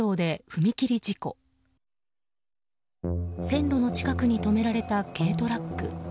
線路の近くに止められた軽トラック。